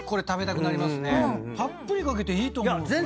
たっぷり掛けていいと思うこれ。